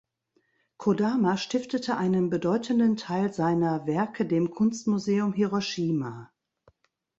Kodama stiftete einen bedeutenden Teil seiner Werke dem Kunstmuseum Hiroshima.